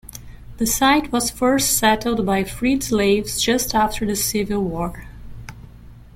The site was first settled by freed slaves just after the Civil War.